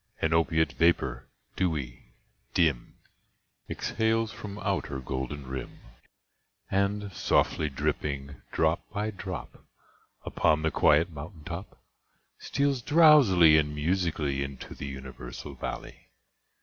An opiate vapour, dewy, dim, Exhales from out her golden rim, And, softly dripping, drop by drop, Upon the quiet mountain top. Steals drowsily and musically Into the universal valley.